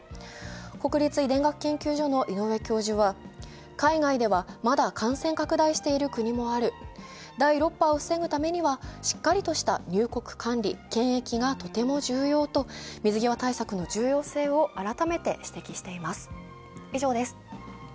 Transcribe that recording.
国立遺伝学研究所の井ノ上教授は海外ではまだ感染拡大している国もある、第６波を防ぐためにはしっかりとした入国管理・検疫がとても重要と水際対策の重要性を改めて指摘しています。